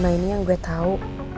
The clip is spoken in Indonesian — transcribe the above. selama ini yang gue tau